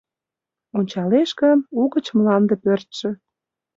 Ончалеш гын: угыч мланде пӧртшӧ;